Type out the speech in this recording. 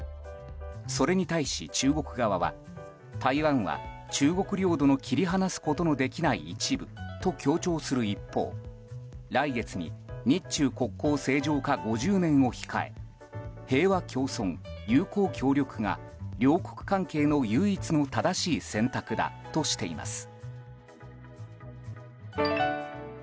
それに対し中国側は台湾は中国領土の切り離すことのできない一部と強調する一方来月に日中国交正常化５０年を控え平和共存・友好協力が両国関係の唯一の正しい選択だとしています。